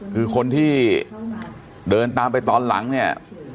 คือคนที่เดินตามไปตอนหลังเนี่ย